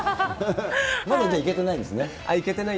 まだ、行けてないんですよ。